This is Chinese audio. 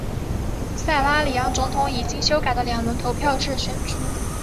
塞拉利昂总统以经修改的两轮投票制选出。